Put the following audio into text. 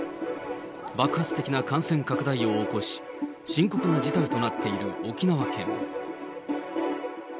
爆発的な感染拡大を起こし、深刻な事態となっている沖縄県。